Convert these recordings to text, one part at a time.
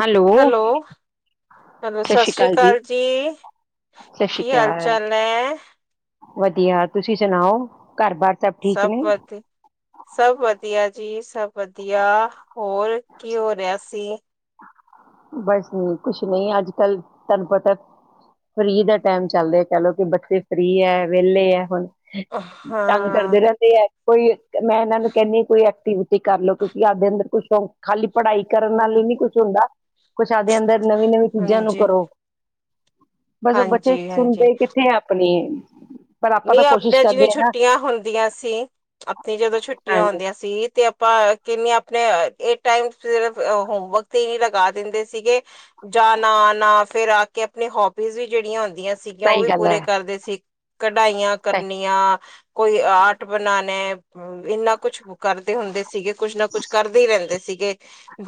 Hello, hello, ਸਤਿ ਸ਼੍ਰੀ ਅਕਾਲ ਜੀ। ਸਤਿ ਸ਼੍ਰੀ ਕੀ ਹਾਲ ਅਕਾਲ। -ਚਾਲ ਨੇ? ਵਧੀਆ ਤੁਸੀਂ ਸੁਣਾਓ? ਘਰ- ਬਰ ਸਭ ਪਾ ਸਭ ਵਧੀਆ ਜੀ ਸਭ ਵਧੀਆ ਹੋਰ ਕੀ ਹੋ ਰਿਹਾ ਸੀ। ਬਸ ਕੁਛ ਨਹੀਂ ਅੱਜ ਕਲ ਤੁਹਾਨੂੰ ਪਤਾ ਫਰੀ ਦਾ ਟਾਈਮ ਚੱਲ ਰਿਹਾ ਪ ਦ ਫ੍ਰਰੀ ਹੈ ਵਿਹਲੇ ਹੈ ਹੁਣ। ਤੰਗ ਹਾਂ, ਕਰਦੇ ਰਹਿੰਦੇ ਹੈ। ਕੋਈ ਮੈਂ ਇਹਨਾਂ ਨੂੰ ਕਹਿੰਦੀ ਹਾਂ ਕੋਈ ਐਕਟੀਵਿਟੀ ਕਰ ਲਓ ਕਿਉਂਕਿ ਆਪ ਦੇ ਆਨਦਰ ਖਾਲੀ ਪੜ੍ਹਾਈ ਕਰਨ ਨਾਲ ਹੀ ਹਮ, ਨੀ ਕੁਛ ਹੁੰਦਾ। ਕੁਛ ਆਪਦੇ ਅੰਦਰ ਨਵੀਂ -ਨਵੀਂ ਚੀਜ਼ਾਂ ਨੂੰ ਹਾਂਜੀ, ਕਰੋ। ਬਸ ਬੱਚੇ ਹਾਂਜੀ, ਹਾਂਜੀ। ਸੁਣਦੇ ਕਿੱਥੇ ਆ ਆਪਣੀ। ਪਰ ਆਪਾਂ ਤਾਂ ਨਹੀਂ ਕੋਸ਼ਿਸ਼ ਆਪਣੇ ਕਰਦੇ ਚ' ਆ ਨਾ, ਛੁੱਟੀਆਂ ਹੁੰਦੀਆਂ ਸੀ। ਆਪਣੀ ਜਦੋਂ ਛੁੱਟੀਆਂ ਹਾਂਜੀ ਆਉਂਦੀਆਂ ਸੀ ਤੇ ਆਪਾ ਕਿੰਨ ਆਪਣੇ ਇਹ ਟਾਈਮ ਸਿਰਫ ਹੋਮਵਰਕ ਹੀ ਲਗਾ ਦਿੰਦੇ ਸੀਗੇ। ਜਾਣਾ- ਆਣਾ ਫਿਰ ਆ ਕੇ ਆਪਣੀ ਹੋਬੀਜ਼ ਵੀ ਜਿਹੜੀਆਂ ਹੁੰਦੀਆਂ ਸੀਗੀਆਂ ਉਹ ਸਹੀ ਵੀ ਗੱਲ ਐ, ਪੂਰੇ ਕਰਦੇ ਸੀ। ਕਢਾਈਆਂ ਸਹੀ ਕਡਨੀਆਂ। ਕੋਈ ਆਰਟ ਬਣਾਣੇ। ਇੰਨਾ ਕੁੱਛ ਕਰਦੇ ਹੁੰਦੇ ਸੀਗੇ ਕੁੱਛ ਨਾ ਕੁੱਛ ਕਰਦੇ ਹੀ ਰਹਿੰਦੇ ਸੀਗੇ।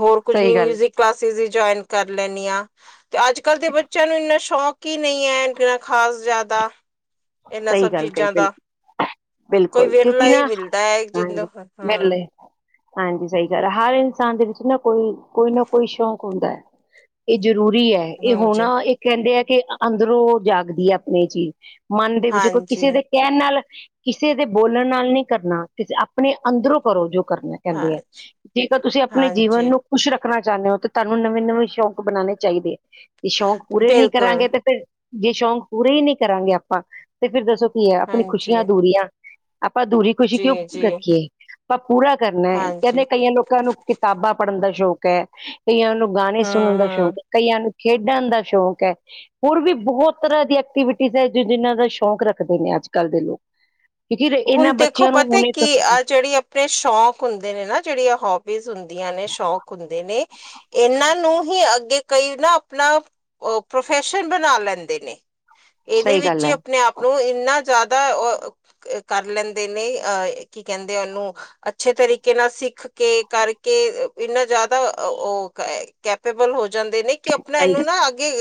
ਹੋਰ ਕੁਝ ਨ ਸਹੀ ਗੱਲ, ਮਿਊਜਿਕ ਜੁਇਨ ਕਰ ਲੈਣੀ ਆ। ਤੇ ਅੱਜ ਕਲ ਦੇ ਬੱਚਿਆਂ ਨੂੰ ਇੰਨਾ ਸ਼ੌਕ ਹੀ ਨਹੀਂ ਹੈ ਖਾਸ ਜ਼ਿਆਦਾ। ਇਹਨਾਂ ਸਹੀ ਸਭ ਗੱਲ ਕਹੀ ਚੀਜ਼ਾਂ ਬਿਲ ਦਾ। ਕੋਈ ਬਿਲਕੁਲ ਕਿਉਂਕਿ ਵਿਰਲਾ ਨਾ, ਹੀ ਮਿਲਦਾ ਹੈ ਜਿੰਦ ਹਾਂਜੀ। ਹਾਂ ਮਿਲ ਲਈ ਹਾਂਜੀ ਸਹੀ ਗੱਲ ਹੈ, ਹਰ ਇਨਸਾਨ ਦੇ ਵਿੱਚ ਨਾ ਕੋਈ ਨਾ ਕੋਈ ਸ਼ੌਕ ਹੁੰਦਾ ਹੈ। ਇਹ ਜ਼ਰੂਰੀ ਹੈ। ਇਹ ਹਾਂਜੀ ਹੋਣਾ ਇਹ ਕਹਿੰਦੇ ਆ ਕਿ ਅੰਦਰੋਂ ਜਾਗਦੀ ਹੈ ਆਪਣੀ ਚੀਜ਼। ਮਨ ਜੇ ਕੋਈ ਹਾਂਜੀ ਕਿਸੇ ਦੇ ਕਹਿਣ ਨਾਲ, ਕਿਸੇ ਦੇ ਬੋਲਣ ਨਾਲ ਨਹੀਂ ਕਰਨਾ, ਆਪਣੇ ਅੰਦਰੋਂ ਕਰੋ ਜੋ ਕਰਨਾ। ਕਹਿੰਦੇ ਹੈ ਹਾਂਜੀ ਠੀਕ ਆ, ਤੁਸੀਂ ਆਪਣੇ ਜੀਵਨ ਹਾਂਜੀ ਨੂੰ ਕੁਛ ਰੱਖਣਾ ਚਾਹੁੰਦੇ ਹੋ ਤੇ ਤੁਹਾਨੂੰ ਨਵੇਂ- ਨਵੇਂ ਸੌ਼ਕ ਬਣਾਉਣੇ ਚਾਹੀਦੇ ਹੈ। ਤੇ ਸ਼ੌਕ ਪੂਰੇ ਨੀ ਬਿਲਕੁਲ ਕਰਾਂਗੇ ਤੇ, ਫੇਰ ਜੇ ਸ਼ੌਂਕ ਪੂਰੇ ਹੀ ਨਹੀਂ ਕਰਾਂਗੇ ਆਪਾਂ। ਤੇ ਫਿਰ ਦੱਸੋ ਕੀ ਹੈ ਆਪਣੀ ਹਾਂਜੀ ਖੁਸ਼ੀਆਂ ਅਧੂਰੀਆਂ, ਆਪਾਂ ਅਧੂਰੀ ਖੁਸ਼ੀ ਜੀ ਕਿਉਂ ਜੀ ਰੱਖੀਏ। ਆਪਾ ਪੂਰਾ ਕਰਨਾ ਹੈ, ਹਾਂਜੀ ਕਹਿੰਦੇ ਕਈਆਂ ਲੋਕਾਂ ਨੂੰ ਕਿਤਾਬਾਂ ਪੜ੍ਹਨ ਦਾ ਸ਼ੌਕ ਹੈ। ਕਈਆਂ ਨੂੰ ਗਾਣੇ ਹਮ ਸੁਣਨ ਦਾ ਹਮ ਸ਼ੌਕ ਹੈ। ਕਈਆਂ ਨੂੰ ਖੇਡਣ ਦਾ ਸ਼ੌਕ ਹੈ। ਹੋਰ ਵੀ ਬਹੁਤ ਤਰਾਂ ਦੀ ਐਕਟੀਵਿਟੀਜ਼ ਹੈ ਜਿਹਨਾਂ ਦਾ ਸ਼ੌਂਕ ਰੱਖਦੇ ਨੇ ਅੱਜ ਕਲ ਦੇ ਲੋਕ। ਕਿਉਂਕਿ ਹੁਣ ਇਹਨਾਂ ਦੇਖੋ ਬੱਚਿਆਂ ਨੂੰ ਪਤਾ ਹੁਣੇ ਕਿ ਤੋਂ ਆਹ ਜਿਹੜੀ ਆਪਣੇ ਸ਼ੌਂਕ ਹੁੰਦੇ ਨੇ ਨਾ ਜਿਹੜੀ ਆ ਹੋਬੀਜ਼ ਹੁੰਦੀ। ਆਂਦੀ ਨੇ ਸ਼ੌਕ ਹੁੰਦੇ ਨੇ, ਇਹਨਾਂ ਨੂੰ ਹੀ ਅੱਗੇ ਕਈ ਨਾ ਆਪਣਾ ਔ ਪ੍ਰੋਫੈਸ਼ਨ ਬਣਾ ਲੈਂਦੇ ਨੇ। ਇਹਦੇ ਸਹੀ ਵਿੱਚ ਗੱਲ ਹੀ ਹੈ ਆਪਣੇ ਆਪ ਔ ਇੰਨਾ ਜ਼ਿਆਦਾ ਕਰ ਲੈਂਦੇ ਨੇ ਆਹ, ਕੀ ਕਹਿੰਦੇ ਉਹਨੂੰ ਅੱਛੇ ਤਰੀਕੇ ਨਾਲ ਸਿੱਖ ਕੇ, ਕਰਕੇ, ਇਨਾ ਜ਼ਿਆਦਾ ਉਹ ਕੇ ਕੈਪੇਬਲ ਹੋ ਜਾਂਦੇ ਨੇ ਕਿ ਆਪਣਾ ਸਹੀ ਇਹਨੂੰ ਗੱਲ ਨਾ ਅੱਗੇ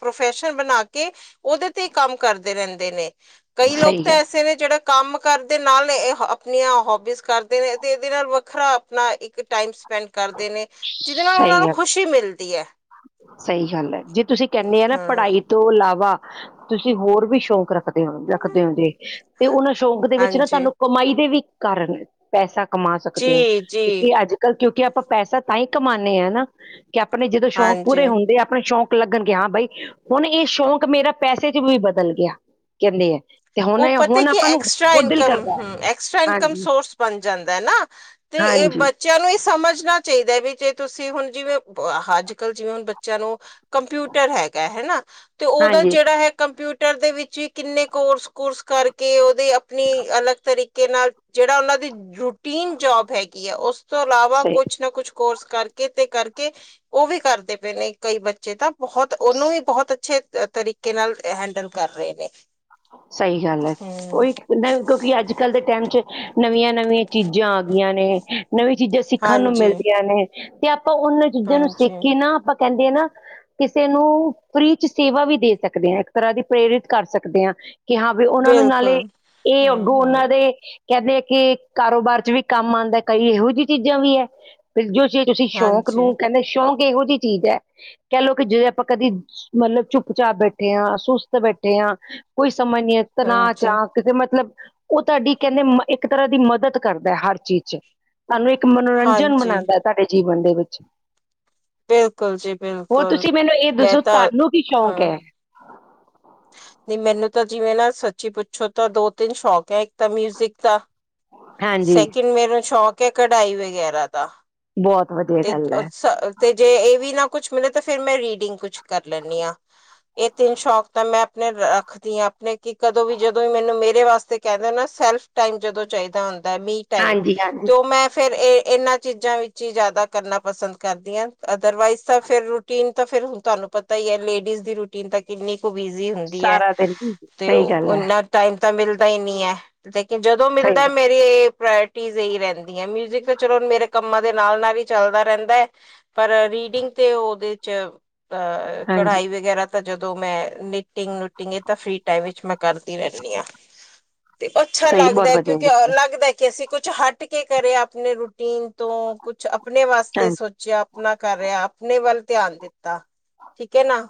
ਪ੍ਰੋਫੈਸ਼ਨ ਬਨਾ ਕੇ ਉਹਦੇ ਤੇ ਕੰਮ ਕਰਦੇ ਰਹਿੰਦੇ ਨੇ, ਕਈ ਲੋਕ ਸਹੀ ਤਾਂ ਗੱਲ ਐਸੇ ਨੇ ਜਿਹੜਾ ਕੰਮ ਕਰਦੇ ਨਾਲ ਇਹ ਆਪਣੀਆਂ ਹੋਬੀਜ਼ ਕਰਦੇ ਨੇ ਅਤੇ ਇਹਦੇ ਨਾਲ ਵੱਖਰਾ ਆਪਣਾ ਇੱਕ ਟਾਈਮ, ਸਪੈਂਡ ਕਰਦੇ ਨੇ। ਜਿਹਦੇ ਨਾਲ ਉਹਨਾਂ ਸਹੀ ਨੂੰ ਗੱਲ, ਖੁਸ਼ੀ ਮਿਲਦੀ ਹੈ ਸਹੀ ਗੱਲ ਹੈ ਜੇ ਤੁਸੀਂ ਕਹਿੰਨੇ ਆ ਨਾ ਹਾਂ ਪੜਾਈ, ਤੋਂ ਇਲਾਵਾ, ਤੁਸੀਂ ਹੋਰ ਵੀ ਸ਼ੌਕ ਰੱਖ- ਰੱਖਦੇ ਹੁੰਦੇ, ਤੇ ਉਹਨਾਂ ਸ਼ੌਕ ਦੇ ਵਿੱਚ ਨਾ ਹਾਂਜੀ ਤੁਹਾਨੂੰ ਕਮਾਈ ਦੇ ਵੀ ਕਾਰਨ ਏ। ਪੈਸਾ ਕਮਾ ਜੀ ਸਕਦੇ ਹੋ, ਜੀ ਕਿਉਂਕਿ ਅੱਜ ਕੱਲ ਕਿਉਂਕਿ ਆਪਾਂ ਪੈਸਾ ਤਾਂ ਹੀ ਕਮਾਂਨੇ ਹਾਂ ਨਾ, ਕਿ ਆਪਣੇ ਜਦੋਂ ਸ਼ੌਂਕ ਹਾਂਜੀ ਪੂਰੇ ਹੁੰਦੇ ਆ, ਆਪਣੇ ਸ਼ੌਂਕ- ਲੱਗਣਗੇ ਹਾਂ ਬਾਈ ਹੁਣ ਇਹ ਸ਼ੌਕ ਮੇਰਾ ਪੈਸੇ ਚ ਵੀ ਬਦਲ ਗਿਆ, ਕਹਿੰਦੇ ਐ। ਉਹ ਪਤਾ ਕਿ ਐਕਸਟਰਾ ਇਨਕਮ ਹੂੰ ਐਕਸਟਰਾ ਹੈ ਇਨਕਮ ਹਾਂਜੀ ਸੋਰਸ ਬਨ ਜਾਂਦਾ ਏ ਨਾ। ਤੇ ਇਹ ਹਾਂਜੀ ਬੱਚ- ਬੱਚਿਆਂ ਨੂੰ ਇਹ ਸਮਝਣਾ ਚਾਹੀਦਾ ਹੈ ਵੀ ਜੇ ਤੁਸੀਂ ਹੁਣ ਜਿਵੇਂ ਅੱਜ ਕੱਲ ਜਿਵੇਂ ਹੁਣ ਬੱਚਿਆਂ ਨੂੰ, ਕੰਪਿਊਟਰ ਹੈਗਾ, ਹੈਨਾ। ਤੇ ਉਹਦਾ ਹਾਂਜੀ ਜਿਹੜਾ ਹੈ ਕੰਪਿਊਟਰ ਦੇ ਵਿੱਚ ਵੀ ਕਿੰਨੇ ਕੋਰਸ- ਕੂਰਸ ਕਰ, ਕੇ ਉਹਦੇ ਆਪਣੀ ਅਲੱਗ ਤਰੀਕੇ ਨਾਲ ਜਿਹੜਾ ਉਹਨਾਂ ਦੀ ਰੂਟੀਨ ਜੋਬ ਹੈਗੀ ਆ ਉਸ, ਉਸ ਤੋਂ ਇਲਾਵਾ ਸਹੀ ਕੁੱਛ ਨਾ ਕੁੱਛ ਕੋਰਸ ਕਰਕੇ ਤੇ ਕਰਕੇ ਉਹ ਵੀ ਕਰਦੇ ਪਏ ਨੇ ਕਈ ਬੱਚੇ ਤਾਂ। ਬਹੋਤ ਉਹਨੂੰ ਵੀ ਬਹੋਤ ਅੱਛੇ ਤਰੀਕੇ ਨਾਲ ਹੈਂਡਲ ਕਰ ਰਹੇ ਨੇ। ਸਹੀ ਗੱਲ ਐ, ਹਮ ਓ ਇਕ- ਕਿਉਂਕਿ ਅੱਜ ਕੱਲ ਦੇ ਟਾਈਮ ਚੱ ਨਵੀਆਂ- ਨਵੀਆਂ ਚੀਜ਼ਾਂ ਆ ਗਈਆਂ ਨੇ, ਨਵੀਂ ਚੀਜ਼ਾਂ ਸਿੱਖਣ ਨੂੰ ਹਾਂਜੀ, ਮਿਲਦੀਆਂ ਨੇ, ਤੇ ਆਪਾਂ ਉਹਨਾਂ ਚੀਜ਼ਾਂ ਨੂੰ ਹਾਂਜੀ ਸਿੱਖ ਕੇ ਨਾ, ਆਪਾਂ ਕਹਿੰਦੇ ਆ ਨਾ ਕਿਸੇ ਨੂੰ ਫ੍ਰੀ ਚੱ ਸੇਵਾ ਵੀ ਦੇ ਸਕਦੇ ਹਾਂ ਇੱਕ ਤਰਾਂ ਦੀ ਪ੍ਰੇਰਿਤ ਕਰ ਸਕਦੇ ਹਾਂ। ਕਿ ਹਾਂ ਵੀ ਉਹਨਾਂ ਨੂੰ ਨਾਲੇ, ਬਿਲਕੁਲ ਇਹ ਅੱਗੋਂ ਉਹਨਾਂ ਹੂੰ-ਹੂੰ, ਦੇ ਕਹਿੰਦੇ ਕਿ ਕਾਰੋਬਾਰ ਚ ਵੀ ਕੰਮ ਆਂਦਾ ਕਈ ਇਹੋ ਜਿਹੀ ਚੀਜ਼ਾਂ ਵੀ ਹੈ, ਜੋ ਤੁਸੀਂ ਤੁਸੀਂ ਸ਼ੌਕ ਹਾਂਜੀ, ਨੂੰ, ਕਹਿੰਦੇ ਸ਼ੌਂਕ ਇਹੋ ਜਿਹੀ ਚੀਜ਼ ਹੈ। ਕਹਿ ਲਓ ਕਿ ਜੇ ਆਪਾਂ ਕਦੀ ਮਤਲੱਬ ਚੁੱਪ- ਚਾਪ ਬੈਠੇ ਹਾਂ, ਸੁਸਤ ਬੈਠੇ ਹਾਂ, ਕੋਈ ਸਮਂਝ ਨਹੀਂ ਤਣਾਅ ਚੱ ਹਾਂਜੀ, ਹਾਂ ਕਿ ਮਤਲੱਬ ਉਹ ਤੁਹਾਡੀ ਕਹਿੰਦੇ ਇੱਕ ਤਰਾਂ ਦੀ ਮਦਦ ਕਰਦਾ ਹੈ ਹਰ ਚੀਜ਼ ਚ। ਸਾਨੂੰ ਇੱਕ ਮਨੋਰੰਜਨ ਹਾਂਜੀ ਮਨਾਂਦਾ ਤੁਹਾਡੇ ਜੀਵਨ ਦੇ ਵਿੱਚ। ਬਿਲਕੁਲ ਜੀ ਹੋਰ ਬਿਲਕੁਲ ਤੁਸੀਂ ਮੈਨੂੰ ਇਹ ਮੈਂ ਦੱਸੋ, ਤਾਂ ਤੁਹਾਨੂੰ ਕੀ ਸ਼ੌਂਕ ਐ? ਨੀ ਮੈਨੂੰ ਤਾਂ ਜਿਵੇਂ ਨਾ ਸੱਚੀ ਪੁੱਛੋ ਤਾਂ ਦੋ- ਤਿੰਨ ਸ਼ੌਕ ਹੈ ਇੱਕ ਤਾਂ ਮਿਊਜਿਕ ਦਾ, ਹਾਂਜੀ ਸੈਕਿੰਡ ਮੈਨੂੰ ਸ਼ੌਂਕ ਹੈ ਕਢਾਈ ਵਗੈਰਾ ਦਾ। ਬਹੁਤ ਵਧੀਆ ਤੇ ਗੱਲ ਹੈ ਅਕਸ ਤੇ ਜੇ ਇਹ ਵੀ ਨਾ ਕੁੱਛ ਮਿਲੇ ਤਾਂ ਫੇਰ ਮੈਂ ਰੀਡਿੰਗ ਕੁੱਛ ਕਰ ਲੈਦੀ ਆਂ, ਇਹ ਤਿੰਨ ਸ਼ੌਕ। ਤਾਂ ਮੈਂ ਆਪਣੇ ਰੱਖਦੀ ਹਾਂ ਆਪਣੇ ਕਿ ਕਦੋਂ ਵੀ ਜਦੋਂ ਵੀ ਮੈਨੂੰ ਮੇਰੇ ਵਾਸਤੇ ਕਹਿੰਦੇ ਨਾ ਸੈਲਫ ਟਾਈਮ ਜਦੋਂ ਚਾਹੀਦਾ ਹੁੰਦਾ ਮੀ ਟਾਈਮ ਹਾਂਜੀ ਹਾਂਜੀ ਤੇ ਮੈਂ ਫੇਰ ਇਨਾਂ, ਚੀਜ਼ਾਂ ਵਿੱਚ ਹੀ ਜਿਆਦਾ ਕਰਨਾ ਪਸੰਦ ਕਰਦੀ ਹਾਂ ਅਦਰਵਾਈਜ਼ ਤਾਂ ਫੇਰ ਰੂਟੀਨ ਤਾਂ ਫੇਰ ਹੁਣ ਤੁਹਾਨੂੰ ਪਤਾ ਪਤਾ ਹੀ ਹੈ ਲੇਡੀਜ਼ ਦੀ ਰੂਟੀਨ ਤੇ ਕਿੰਨੀ ਕੁ ਬਿਜੀ ਹੁੰਦੀ ਹੈ ਸਾਰਾ ਦਿਨ ਤੇ ਸਹੀ ਗੱਲ ਹੈ ਉਹਨਾਂ, ਟਾਈਮ ਤਾਂ ਮਿਲਦਾ ਹੀ ਨੀ ਹੈ, ਲੇਕਿਨ ਜਦੋਂ ਸਹੀ ਮਿਲਦਾ ਗੱਲ ਮੇ- ਤੇ ਪ੍ਰਾਟੀਜ ਏਹੀ ਰਹਿੰਦੀ ਹੈ ਮਿਉਜ਼ਿਕ ਤੇ ਚਲੋ ਮੇਰੇ ਕੰਮਾਂ ਦੇ ਨਾਲ- ਨਾਲ ਹੀ ਚੱਲਦਾ ਰਹਿੰਦਾ ਐ। ਪਰ ਰੀਡਿੰਗ ਤੇ ਉਹਦੇ ਚ ਅ ਹਾਂਜੀ ਕਢਾਈ ਵਗੈਰਾ ਤਾਂ ਜਦੋਂ ਮੈਂ, ਨਿਟਿੰਗ- ਨੁਟਿੰਗ ਇਹ ਤਾਂ ਫ੍ਰੀ ਟਾਈਮ ਵਿੱਚ ਮੈਂ ਕਰਦੀ ਰਹਿੰਦੀ ਆ। ਤੇ ਅੱਛਾ ਸਹੀ ਬਹੁਤ ਲੱਗਦਾ ਵਧੀਆ ਕਿਉਂਕਿ ਗੱਲ ਹੈ ਲੱਗਦਾ ਕਿ ਅਸੀਂ ਕੁੱਛ ਹੱਟ ਕੇ ਕਰੇ ਆਪਣੇ ਰੂਟੀਨ ਤੋਂ। ਕੁਛ ਆਪਣੇ ਵਾਸਤੇ ਹਾਂਜੀ ਸੋਚ। ਚਿਆ ਆਪਣਾ ਕਰ ਰਿਆ ਆਪਣੇ ਵੱਲ ਧਿਆਨ ਦਿੱਤਾ ਠੀਕ ਐ ਨਾ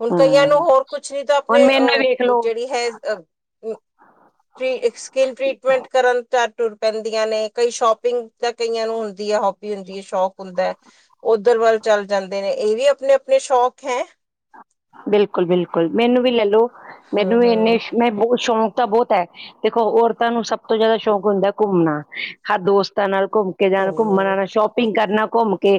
ਹੁਣ ਕਈ ਕਈਆਂ ਨੂੰ ਹਮ ਹੋਰ ਕੁੱਛ ਨੀ ਤਾਂ ਹੁਣ ਆਪਣੇ ਅ ਮੈਨੂੰ ਵੇਖ ਓ ਲੋ ਜੇੜੀ ਹੈ ਫਰੀ ਐਕਸ ਸਕਿੰਨ ਟਰੀਟਮੈਂਟ ਕਰਨ ਤਾਂ ਟੁਰ ਪੈਂਦੀਆਂ ਨੇ ਕਈ ਸ਼ੋਪਿੰਗ ਤਾਂ ਕਈਆਂ ਨੂੰ ਹੁੰਦੀ ਆ ਹੋਬੀ ਹੁੰਦੀ ਆ ਸ਼ੌਕ ਹੁੰਦੈ ਓਧਰ ਵੱਲ ਚੱਲ ਜਾਂਦੇ ਨੇ ਏ ਵੀ ਆਪਣੇ-ਆਪਣੇ ਸ਼ੌਕ ਹੈਂ। ਬਿਲਕੁੱਲ-ਬਿਲਕੁੱਲ ਮੈਨੂੰ ਵੀ ਲੈਲੋ ਮੈਨੂੰ ਹਮ ਵੀ ਇੰਨੇ ਸ਼ੋ ਮੈਂ ਬੋ ਸ਼ੌ ਤਾਂ ਬੋਤ ਐ ਦੇਖੋ ਔਰਤਾਂ ਨੂੰ ਸਭ ਤੋਂ ਜਾਦਾ ਸ਼ੌਕ ਹੁੰਦਾ ਘੁੰਮਣਾ ਹਰ ਦੋਸਤਾਂ ਨਾਲ ਘੁੰਮ ਕੇ ਜਾਨਾ ਘੁੰਮਨ ਹਮ ਆਨਾ ਸ਼ੋਪਿੰਗ ਕਰਨਾ ਘੁੰਮ ਕੇ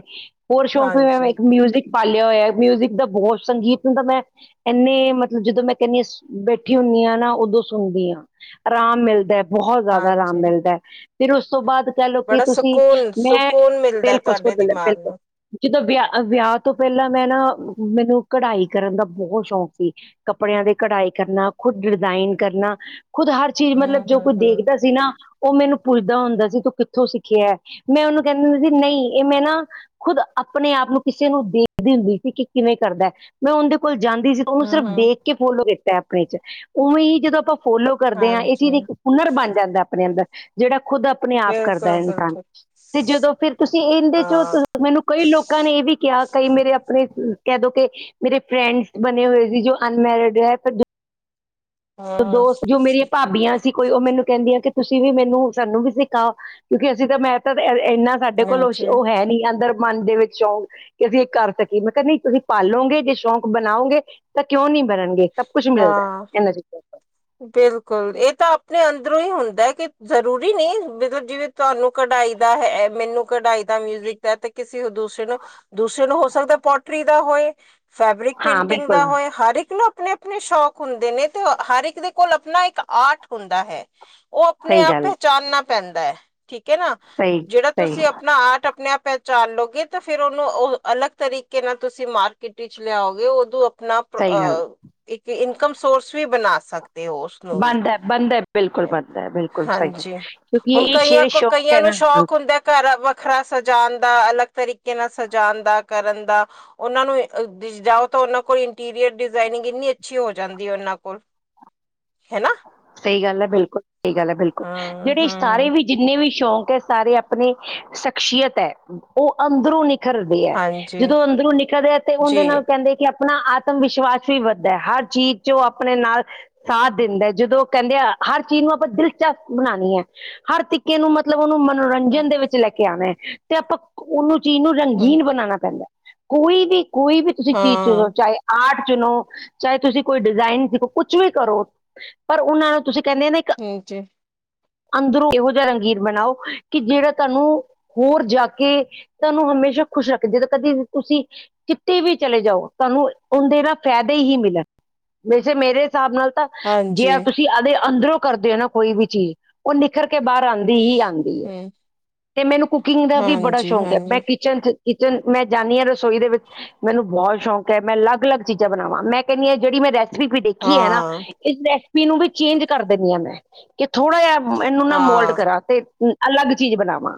ਹੋਰ ਸ਼ੌਕ ਵੀ ਮੈਂ ਹਾਂਜੀ ਇੱਕ ਮਿਊਜ਼ਿਕ ਪਾਲਿਆ ਹੋਇਐ ਮਿਊਜ਼ਿਕ ਦਾ ਬੋ ਸੰਗੀ ਤਾਂ ਮੈਂ ਐਨੇ ਮਤਲਬ ਜਦੋਂ ਮੈਂ ਕੈਨੀ ਆ ਬੈਠੀ ਹੁੰਨੀ ਆ ਨਾ ਓਦੋਂ ਸੁਣਦੀ ਆ। ਆਰਾਮ ਮਿਲਦੈ ਬੋਹ ਜਾਦਾ ਆਰਾਮ ਹਾਂਜੀ ਮਿਲਦੈ ਫਿਰ ਉਸ ਤੋਂ ਬਾਦ ਕੈਲੋ ਕੀ ਬੜਾ ਤੁਸੀਂ ਸਕੂਨ ਮੈਂ ਸਕੂਨ ਮਿਲਦਾ ਬਿਲਕੁੱਲ [unintelligible] ਤੁਹਾਡੇ ਦਿਮਾਗ ਬਿਲਕੁੱਲ। ਨੂੰ ਜਦੋਂ ਵਿਆ-ਵਿਆ ਤੋਂ ਪੈਲਾਂ ਮੈਂ ਨਾ ਮੈਨੂੰ ਕਢਾਈ ਕਰਨ ਦਾ ਬੋਹ ਸ਼ੌਂਕ ਸੀ ਕੱਪੜਿਆਂ ਦੇ ਕਢਾਈ ਕਰਨਾ ਖੁਦ ਡਿਜ਼ਾਇਨ ਕਰਨਾ ਖੁਦ ਹਰ ਚੀਜ਼ ਮਤਲਬ ਹਮ ਜੋ ਕੋਈ ਹਮ ਹਮ ਦੇਖਦਾ ਸੀ ਨਾ ਓ ਮੈਨੂੰ ਪੁੱਛਦਾ ਹੁੰਦਾ ਸੀ ਤੂੰ ਕਿੱਥੋਂ ਸਿੱਖਿਐ ਮੈਂ ਓਨੂੰ ਕੈਂਦੀ ਹੁੰਦੀ ਸੀ ਨਈ ਏ ਮੈਂ ਨਾ ਖੁਦ ਆਪਣੇ ਆਪ ਨੂੰ ਕਿਸੇ ਨੂੰ ਦੇਖਦੀ ਹੁੰਦੀ ਸੀ ਕੀ ਕਿਵੇਂ ਕਰਦੈ। ਮੈਂ ਔਂਦੇ ਕੋਲ ਜਾਂਦੀ ਸੀ ਤਾਂ ਉਨੂੰ ਹਮ ਸਿਰਫ਼ ਹਮ ਦੇਖ ਕੇ ਫੋਲੋ ਕੀਤਾ ਆਪਣੇ ਚ ਉਵੇਂ ਈ ਜਦੋਂ ਆਪਾਂ ਫੋਲੋ ਕਰਦੇ ਆ ਏ ਹਾਂਜੀ ਚੀਜ਼ ਇੱਕ ਹੁਨਰ ਬਣ ਜਾਂਦਾ ਆਪਣੇ ਅੰਦਰ ਜੇੜਾ ਖੁਦ ਆਪਣੇ ਆਪ ਕਰਦੈ ਬਿਲਕੁਲ ਇਨਸਾਨ ਬਿਲਕੁਲ ਤੇ ਜਦੋਂ ਫਿਰ ਤੁਸੀਂ ਇਂਦੇ ਚੋਂ ਹਾਂ ਮੈਨੂੰ ਕਈ ਲੋਕਾਂ ਨੇ ਏ ਵੀ ਕਿਆ ਕਈ ਮੇਰੇ ਆਪਣੇ ਕੈਦੋ ਕੇ ਮੇਰੇ ਫਰੈਂਡਸ ਬਣੇ ਹੋਏ ਸੀ ਜੋ ਅਨਮੈਰਿਡ ਪਰ ਹਮ ਦੋਸਤ ਜੋ ਮੇਰੀਆਂ ਭਾਬੀਆਂ ਸੀ ਕੋਈ ਓ ਮੈਨੂੰ ਕੈਂਦੀ ਆ ਕੀ ਤੁਸੀਂ ਵੀ ਮੈਨੂੰ ਸਾਨੂੰ ਵੀ ਸਿਖਾਓ ਕਿਉਂਕੀ ਅਸੀਂ ਤਾਂ ਮੈਂ ਤਾਂ ਐਨਾ ਸਾਡੇ ਕੋਲ ਓਸ ਹਾਂਜੀ ਓ ਹੈ ਨੀ ਅੰਦਰ। ਮਨ ਦੇ ਵਿੱਚੋ ਸ਼ੌਂਕ ਕੀ ਅਸੀਂ ਏ ਕਰ ਸਕੀਏ ਮੈਂ ਕਿਆ ਨਈ ਤੁਸੀਂ ਪਾਲੋਗੇ ਜੇ ਸ਼ੌਕ ਬਣਾਓਗੇ। ਤਾਂ ਕਿਉਂ ਨੀ ਬਣਨਗੇ ਸਭ ਕੁੱਛ ਮਿਲਦੈ ਐਨਾਂ ਚ ਬਿਲਕੁੱਲ ਏ ਤਾਂ ਆਪਣੇ ਅੰਦਰੋਂ ਈ ਹੁੰਦੈ ਕੀ ਜ਼ਰੂਰੀ ਨਈ ਮਤਲਬ ਜਿਵੇਂ ਤੁਹਾਨੂੰ ਕਢਾਈ ਦਾ ਹੈ, ਮੈਨੂੰ ਕਢਾਈ ਦਾ ਮਿਊਜਿਕ ਦਾ ਤੇ ਕਿਸੇ ਦੂਸਰੇ ਨੂੰ ਦੂਸਰੇ ਨੂੰ ਹੋ ਸਕਦਾ ਪੋਟਰੀ ਦਾ ਹੋਏ। ਫੈਬਰਿਕ ਤੋਂ। ਹਾਂ ਪੇਂਟਿੰਗ ਦਾ ਬਿਲਕੁਲ ਹੋਏ ਹਰ ਇੱਕ ਨੂੰ ਆਪਣੇ-ਆਪਣੇ ਸ਼ੌਕ ਹੁੰਦੇ ਨੇ ਤੇ ਹਰ ਦੇ ਕੋਲ ਆਪਣਾ ਇੱਕ ਆਰਟ ਹੁੰਦਾ ਹੈ ਓ ਆਪਣੇ ਸਹੀ ਆਪ ਗੱਲ ਹੈ, ਪਹਿਚਾਣ ਨਾ ਪੈਂਦੈ ਠੀਕ ਐ ਨਾ ਸਹੀ ਜੇੜਾ ਸਹੀ ਤੁਸੀਂ ਅ ਪਣਾ ਆਰਟ ਆਪਣੇ ਆਪ ਪਹਿਚਾਣ ਲਓਗੇ ਤਾਂ ਫਿਰ ਓਨੂੰ ਓ ਅਲੱਗ ਤਰੀਕੇ ਨਾਲ ਤੁਸੀਂ ਮਾਰ ਕਿਟ ਚ ਲਿਆਓਗੇ ਉਦੋਂ ਆਪਣਾ ਸਹੀ ਗੱਲ ਅ ਇੱਕ ਇਨਕਮ ਸੋਰਸ ਵੀ ਬਣਾ ਸਕ ਦੇ ਓ ਉਸਨੂੰ ਵੀ ਬਣਦਾ ਬਣਦਾ ਬਿਲਕੁਲ ਬਣਦਾ ਬਿਲਕੁਲ ਸਹੀ ਹੈ ਹਾਂਜੀ ਕਿਉਂਕਿ ਹੁਣ ਇਹ ਕਈਆਂ ਜਿਹੜੇ ਕੋ ਸ਼ੌਕ ਕਈਆਂ ਹੈ ਨੂੰ ਨਾ ਸ਼ੌਕ ਹੁੰਦੈ ਘਰ ਵੱਖਰਾ ਸਜਾਣ ਦਾ ਅਲੱਗ ਤਰੀਕੇ ਨਾਲ ਸਜਾਨ ਦਾ ਕਰਨ ਦਾ। ਓਨਾਂ ਨੂੰ ਜਾਓ ਤਾਂ ਓਨਾਂ ਕੋਲ ਇੰਟੀਰੀਅਰ ਡਿਜ਼ਾਇਨਿੰਗ ਇੰਨੀ ਅੱਛੀ ਹੋ ਜਾਂਦੀ ਐ ਓਨਾਂ ਕੋਲ। ਹੈਨਾ। ਸਈ ਗੱਲ ਐ ਬਿਲਕੁੱਲ ਸਈ ਗੱਲ ਐ ਬਿਲਕੁੱਲ ਜੇੜੇ ਹਮ ਇਸਤਾਰੇ ਹਮ ਵੀ ਜਿੰਨੇ ਵੀ ਸ਼ੌਂਕ ਐ ਸਾਰੇ ਆਪਣੇ ਸ਼ਖਸੀਅਤ ਐ ਓ ਅੰਦਰੋਂ ਨੀ ਖਰਦੇ ਐ ਹਾਂਜੀ ਜਦੋਂ ਅੰਦਰੋਂ ਨਿਕਲਦੇ ਐ ਤੇ ਓਂਦੇ ਜੀ ਨਾਲ ਕੈਂਦੇ ਕੀ ਆਪਣਾ ਆਤਮ ਵਿਸ਼ਵਾਸ ਵੀ ਵੱਧਦੈ ਹਰ ਚੀਜ਼ ਚ ਓ ਆਪਣੇ ਨਾਲ ਸਾਥ ਦਿੰਦੈ। ਜਦੋਂ ਕੈਂਦੇ ਆ ਹਰ ਚੀਜ਼ ਨੂੰ ਆਪਾਂ ਦਿਲਚਸਪ ਬਣਾਣੀ ਐ ਹਰ ਤਰੀ ਕੇ ਨੂੰ ਮਤਲਬ ਓਨੂੰ ਮਨੋਰੰਜਨ ਦੇ ਵਿੱਚ ਲੈ ਕੇ ਆਣਾ ਐ ਤੇ ਆਪਾਂ ਉਹਨੂੰ ਚੀਜ਼ ਨੂੰ ਹਮ ਰੰਗੀਨ ਬਣਾਉਣਾ ਪੈਂਦਾ, ਕੋਈ ਵੀ ਕੋਈ ਵੀ ਤੁਸੀਂ ਚੀਜ਼ ਚੋਂ ਹਾਂ ਚਾਹੇ। ਆਰਟ ਚੁਣੋ, ਚਾਹੇ ਤੁਸੀਂ ਕੋਈ ਡਿਜ਼ਾਇਨ ਸਿੱਖੋ ਕੁਛ ਵੀ ਕਰੋ। ਪਰ ਉਹਨਾਂ ਨੂੰ ਤੁਸੀਂ ਕਹਿੰਦੇ ਨੇ ਇਕ [inaudible] ਅੰਦਰੋਂ ਇਹੋ ਜਿਹਾ ਰੰਗੀਰ ਬਣਾਓ, ਕਿ ਜਿਹੜਾ ਤੁਹਾਨੂੰ ਹੋਰ ਜਾ ਕੇ ਤੁਹਾਨੂੰ ਹਮੇਸ਼ਾ ਖੁਸ਼ ਰੱਖ, ਜਦੋਂ ਕਦੀ ਤੁਸੀਂ। ਕਿਤੇ ਵੀ ਚਲੇ ਜਾਓ, ਤੁਹਾਨੂੰ ਉਹਦੇ ਨਾਲ ਫ਼ਾਇਦੇ ਹੀ ਮਿਲਣਗੇ। ਵੈਸੇ ਮੇਰੇ ਹਿਸਾਬ, ਨਾਲ ਤਾਂ ਜੇ ਹਾਂਜੀ ਤੁਸੀਂ ਆਦੇ ਅੰਦਰੋਂ ਕਰਦੇ ਔ ਨਾ ਕੋਈ ਵੀ ਚੀਜ਼। ਉਹ ਨਿਖਰ ਕੇ ਬਾਹਰ ਆਦੀ ਹੀ ਆਦੀ ਐ। ਹਮ ਤੇ ਮੈਨੂੰ ਕੁਕਿੰਗ ਦਾ ਵੀ ਬੜਾ ਹਾਂਜੀ ਸ਼ੌਕ ਐ, ਮੈਂ ਹਾਂਜੀ ਕਿਚਨ-ਕਿਚਨ ਮੈਂ ਜਾਂਦੀ ਆ ਰਸੋਈ ਦੇ ਵਿੱਚ। ਮੈਨੂੰ ਬਹੁਤ ਸ਼ੌਕ ਐ ਮੈਂ ਲੱਗ ਲੱਗ ਚੀਜ਼ਾਂ ਬਣਾਵਾ ਮੈਂ ਕਿੰਨੀ ਆ ਜਿਹੜ ਮੈਂ ਰੈ ਵੀ ਦੇਖੀ ਐ ਨਾ, ਹਾਂ ਇਸ ਰੈਸਪੀ ਨੂੰ ਵੀ ਚੇਂਜ ਕਰ ਦਿੰਨੀ ਆ ਮੈਂ ਕਿ ਥੋੜ੍ਹਾ ਜਿਹਾ ਇਹਨੂੰ ਨਾ ਮੋਲਟ ਹਾਂ ਕਰਾਂ ਤੇ ਅਲੱਗ ਚੀਜ਼ ਬਣਾਵਾਂ,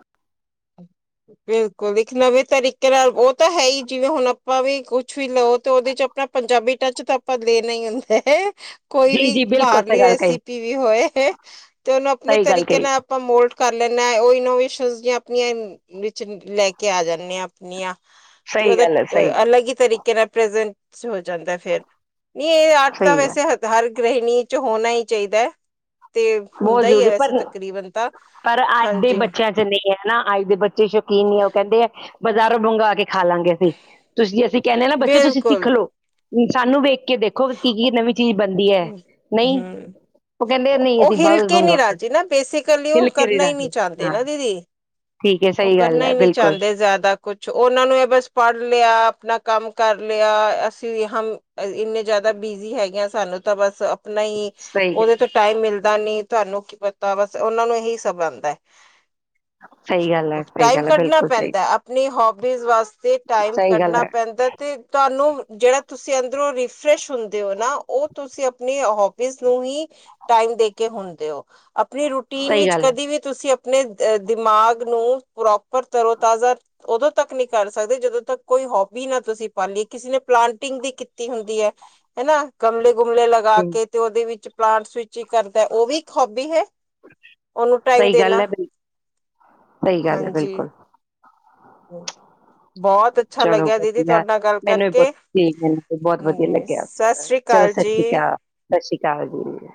ਬਿਲਕੁਲ ਇੱਕ ਨਵੇਂ ਤਰੀਕੇ ਨਾਲ ਉਹ ਤਾਂ ਹੈ ਈ ਜਿਵੇਂ ਹੁਣ ਆਪਾਂ ਵੀ ਕੁਛ ਵੀ ਲਓ ਤੇ ਉਹਦੇ ਚ, ਆਪਣਾ ਪੰਜਾਬੀ ਟੱਚ ਤਾਂ ਆਪਾਂ ਲੈਣਾ ਈ ਹੁੰਦਾ ਐ। ਕੋਈ ਜੀ ਵੀ ਜੀ ਬਿਲਕੁਲ ਸਹੀ ਬਾਹਰਲੀ ਗੱਲ ਕਹੀ ਰੈਸਪੀ ਵੀ ਹੋਏ, ਤੇ ਉਹਨੂੰ ਆਪਣੇ ਸਹੀ ਗੱਲ ਤਰੀਕੇ ਕਹੀ ਨਾਲ ਆਪਾਂ ਮੋਲਟ ਕਰ ਲਣਾ ਉਹ ਇਨੋਵੇਸ਼ਨ ਆਪਣੀਆਂ ਵਿੱਚ ਲੈ ਕੇ ਆ ਜਾਨੇ ਆ। ਤੇ ਸਹੀ ਉਹਦਾ ਗੱਲ ਹੈ ਸਹੀ ਹੈ ਅਲਗ ਈ ਤਰੀਕੇ ਨਾਲ ਪ੍ਰੈਜਟ ਹੋ ਜਾਂਦਾ ਫਿਰ, ਨਈ ਇਹ ਆਰਟ ਤਾਂ ਸਹੀ ਹੈ ਵੈਸੇ ਹਰ ਗ੍ਰਹਿਣੀ ਚ ਹੋਣਾ ਈ ਚਾਹੀਦਾ ਐ। ਤੇ ਬਹੁਤ ਹੁੰਦਾ ਈ ਐ ਜ਼ਰੂਰੀ ਵੈਸੇ ਪਰ ਤਕਰੀਬਨ ਤਾਂ ਹਾਂਜੀ, ਜਿੰਨੇ ਨਾ ਅੱਜ ਦੇ ਬੱਚੇ ਸ਼ੌਕੀਨੀ ਐ ਉਹ ਕਹਿੰਦੇ ਆ ਬਜ਼ਾਰੋਂ ਮੰਗਾ ਕੇ ਖਾ ਲਾਂਗੇ, ਤੁਸੀਂ ਅਸੀਂ ਕਹਿਨੇ ਆ ਨਾ ਬੱਚੋ ਤੁਸੀਂ ਬਿਲਕੁਲ ਸਿੱਖਲਓ ਸਾਨੂੰ ਵੇਖ ਕੇ ਦੇਖੋ ਕੀ ਕੀ ਨਵੀਂ ਚੀਜ਼ ਬਣਦੀ ਐ ਨਹੀਂ ਹਮ ਉਹ ਕਹਿੰਦੇ ਨਹੀਂ, ਉਹ ਅਸੀਂ ਬਾਹਰੋਂ ਹਿਲਕੇ ਨੀ ਮੰਗਵਾਉਣਾ ਰਾਜੀ ਨਾ ਬੇਸਿਕਲੀ ਉਹ ਹਿਲ ਕੇ ਕਰਨਾ ਈ ਨੀ ਰਾਜੀ ਚਾਹੁੰਦੇ ਹਾਂ ਨਾ ਦੀਦੀ, ਠੀਕ ਹੈ ਉਹ ਸਹੀ ਗੱਲ ਕਰਨਾ ਹੈ ਈ ਨੀ ਬਿਲਕੁਲ ਚਾਹੁੰਦੇ ਜ਼ਿਆਦਾ, ਕੁਛ ਉਹਨਾਂ ਨੂੰ ਇਹ ਬਸ ਪੜ੍ਹ ਲਿਆ ਆਪਣਾ ਕੰਮ ਕਰ ਲਿਆ ਅਸੀਂ ਹ ਇੰਨੇ ਜਿਆਦਾ ਬਿਜੀ ਹੈਗੇ ਆ, ਆਂ ਸਾਨੂੰ ਤਾਂ ਬਸ ਆਪਣਾ ਈ ਸਹੀ ਗੱਲ ਉਹਦੇ ਤੋਂ ਟਾਈਮ ਮਿਲਦਾ। ਦਾ ਨੀ ਤੁਹਾਨੂੰ ਕੀ ਪਤਾ ਬਸ ਉਹਨਾ ਨੂੰ ਇਹੀ ਸਭ ਆਦਾ ਐ। ਸਈ ਗੱਲ, ਹੈ ਸਹੀ ਟਾਈਮ ਗੱਲ ਹੈ ਕੱਢਣਾ ਬਿਲਕੁਲ ਸਹੀ ਪੈਂਦਾ ਆਪਣੀ ਹੋਬੀਜ਼ ਵਾਸਤੇ ਟਾਈਮ ਸਹੀ ਗੱਲ ਕੱਢਣਾ ਹੈ ਪੈਂਦਾ, ਤੇ ਤੁਹਾਨੂੰ ਜਿਹੜਾ ਤੁਸੀਂ ਅੰਦਰੋਂ ਰੀਫਰੈਸ਼ ਹੁੰਦੇ ਹੋ ਨਾ ਉਹ, ਤੁਸੀਂ ਆਪਣੀ ਹੋਵੀਸ ਨੂੰ ਹੀ ਟਾਈਮ ਦੇ ਕੇ ਹੁਦੇ ਔ। ਆਪਣੀ ਰੂਟੀਨ ਸਹੀ ਵਿੱਚ ਚ ਗੱਲ ਹੈ ਕਦੇ ਵੀ ਤੁਸੀਂ ਆਪਣੇ ਦਿਮਾਗ ਨੂੰ ਪ੍ਰੋਪਰ ਤਰੋ ਤਾਜ਼ਾ ਉਦੋਂ ਤੱਕ ਨੀ ਕਰ ਸਕਦੇ ਜਦੋਂ ਤੱਕ ਕੋਈ ਹੋਬੀ, ਨਾ ਤੁਸੀਂ ਲਈ ਪਾਲੀ ਕਿਸੇ ਨੇ ਪਲਾਂਟਿੰਗ ਦੀ ਕੀਤੀ ਹੁੰਦੀ ਐ। ਹਨਾ ਗਮਲੇ ਗੁਮਲੇ ਲਗਾ ਹਮ ਕੇ ਤੇ ਉਹਦੇ ਵਿੱਚ ਪਲਾਂਟਸ ਵਿੱਚ, [unintelligible] ਕਰਦਾ ਉਹ ਵੀ ਇੱਕ ਹੋਬੀ ਐ ਉਹਨੂੰ ਟਾਈਮ ਦੇਣਾ, ਸਈ ਗੱਲ ਬਿਲਕੁਲ, ਬੋਤ ਚਲੋ ਵਧੀਆ ਮੈਨੂੰ ਵੀ, ਬੋਨ ਬਹੁਤ ਵਧੀਆ ਲੱਗਿਆ ਚ ਸਤਿ ਸ੍ਰੀ ਚਲੋ ਅਕਾਲ ਸਤਿ ਸ੍ਰੀ ਜੀ। ਅਕਾਲ ਸਤਿ ਸ਼੍ਰੀ ਅਕਾਲ ਜੀ,